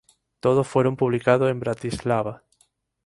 Todos fueron publicados en Bratislava.